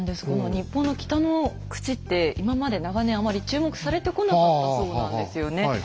この日本の北の口って今まで長年あまり注目されてこなかったそうなんですよね。